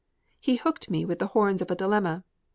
He hooked me with the horns of a dilemma.